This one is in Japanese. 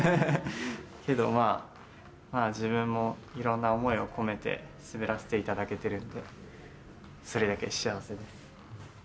けどまあ、まあ自分も、いろんな思いを込めて滑らせていただけてるんで、それだけで幸せです。